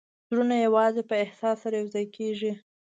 زړونه یوازې په احساس سره یو کېږي.